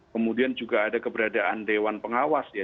kemudian juga ada keberadaan dewan pengawas ya